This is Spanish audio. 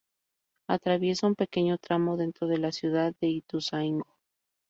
Atraviesa un pequeño tramo dentro de la ciudad de Ituzaingó.